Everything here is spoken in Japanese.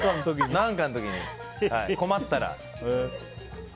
何かの時に困ったら。